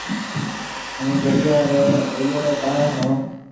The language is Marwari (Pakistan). هُون دريا ريَ اَلوڙَي پاهيَ هون۔